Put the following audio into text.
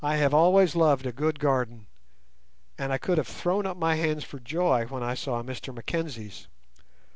I have always loved a good garden, and I could have thrown up my hands for joy when I saw Mr Mackenzie's.